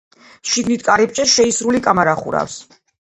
შიგნით კარიბჭეს შეისრული კამარა ხურავს.